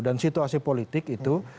dan situasi politik itu